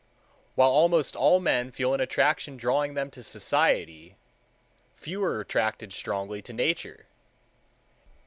While almost all men feel an attraction drawing them to society, few are attracted strongly to Nature.